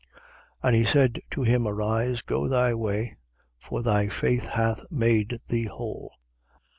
17:19. And he said to him: Arise, go thy way; for thy faith hath made thee whole.